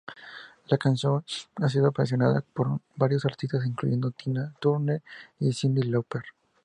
La canción ha sido versionada por varios artistas, incluyendo Tina Turner y Cyndi Lauper.